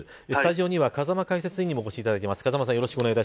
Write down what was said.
スタジオには風間解説委員にもお越しいただきました。